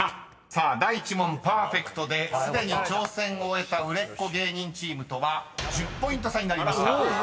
［さあ第１問パーフェクトですでに挑戦を終えた売れっ子芸人チームとは１０ポイント差になりました］